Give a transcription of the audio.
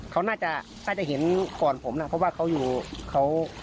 เขาน่าจะน่าจะเห็นก่อนผมนะเพราะว่าเขาอยู่เขา